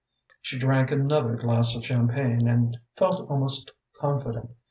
She drank another glass of champagne and felt almost confident.